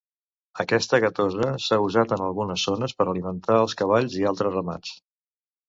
Aquesta gatosa s'ha usat en algunes zones per alimentar els cavalls i altres ramats.